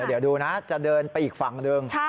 เดี๋ยวดูนะจะเดินไปอีกฝั่งหนึ่ง